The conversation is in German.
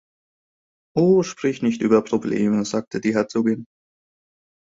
‘Oh, sprich nicht über Probleme!´ sagte die Herzogin.